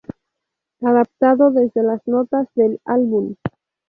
Adaptado desde las notas del álbum.